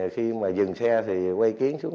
khi mà dừng xe thì quay kiến xuống